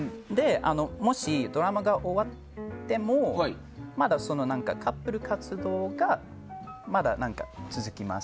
もしドラマが終わってもカップル活動がまだ、続きます。